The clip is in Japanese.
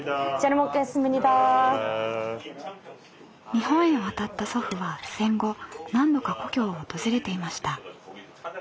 日本へ渡った祖父は戦後何度か故郷を訪れていました。